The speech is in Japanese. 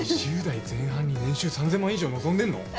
２０代前半に年収３，０００万以上望んでんの！？